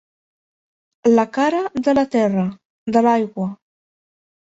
La cara de la terra, de l'aigua.